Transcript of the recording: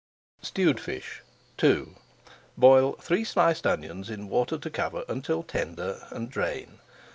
STEWED FISH II Boil three sliced onions in water to cover until tender, and drain.